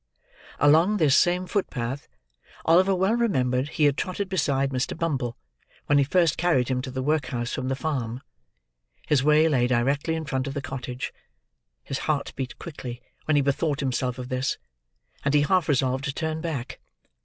Along this same footpath, Oliver well remembered he had trotted beside Mr. Bumble, when he first carried him to the workhouse from the farm. His way lay directly in front of the cottage. His heart beat quickly when he bethought himself of this; and he half resolved to turn back.